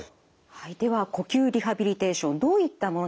では呼吸リハビリテーションどういったものなのか。